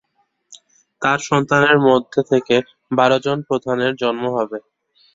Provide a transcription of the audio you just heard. তার সন্তানদের মধ্য থেকে বারজন প্রধানের জন্ম হবে।